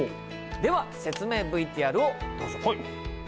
では説明ＶＴＲをどうぞ。